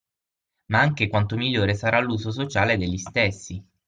Ma anche quanto migliore sarà l'uso sociale degli stessi.